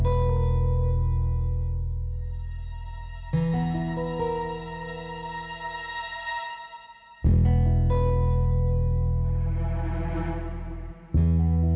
kembali sampai pertemuan